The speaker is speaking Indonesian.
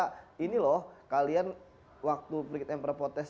nah ini loh kalian waktu beritahukan perpotes